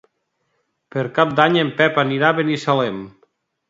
Per Cap d'Any en Pep anirà a Binissalem.